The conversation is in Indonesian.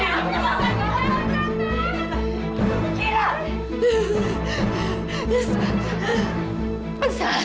kamu tidak mau sembunyi